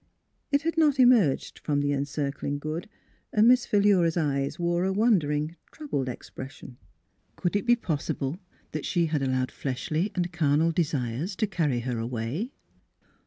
It had not emerged from the Encircling Good, and Miss Philura's eyes wore a wondering, troubled expression. Could it be possible that she had allowed " fleshly and carnal desires " to carry her away?